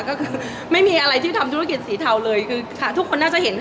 ก็คือไม่มีอะไรที่ทำธุรกิจสีเทาเลยคือค่ะทุกคนน่าจะเห็นค่ะ